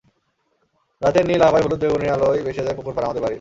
রাতের নীল আভায় হলুদ-বেগুনির আলোয় ভেসে যায় পুকুর পাড়, আমাদের বাড়ি।